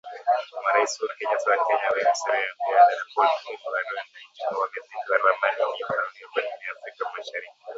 Marais Uhuru Kenyata wa Kenya, Yoweri Museveni wa Uganda, na Paul Kagame wa Rwanda Ijumaa wamezindua ramani iliyopanuliwa ya Jumuiya ya Afrika Mashariki